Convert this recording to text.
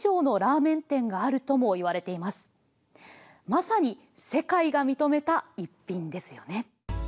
まさに世界が認めた一品ですよね。